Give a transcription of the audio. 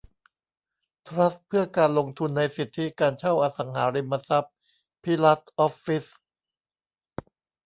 ทรัสต์เพื่อการลงทุนในสิทธิการเช่าอสังหาริมทรัพย์ภิรัชออฟฟิศ